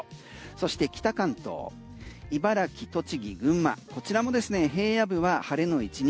そして北関東茨城、栃木、群馬こちらもですね平野部は晴れの１日。